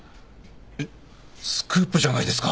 えっスクープじゃないですか。